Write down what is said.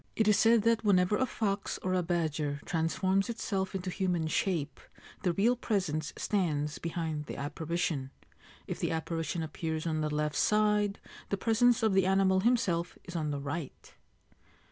(It is said that whenever a fox or a badger transforms itself into human shape the real presence stands beside the apparition. If the apparition appears on the left side, the presence of the animal himself is on the right.)